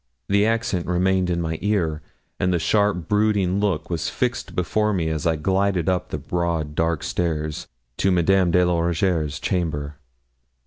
The accent remained in my ear, and the sharp brooding look was fixed before me as I glided up the broad dark stairs to Madame de la Rougierre's chamber.